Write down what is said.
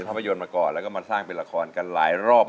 นักสู้ชีวิตแต่ละคนก็ฝ่าฟันและสู้กับเพลงนี้มากก็หลายรอบ